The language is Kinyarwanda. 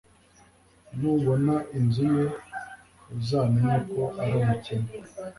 Nubona inzu ye uzamenye ko ari umukene